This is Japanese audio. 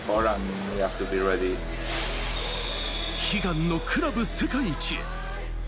悲願のクラブ世界一へ。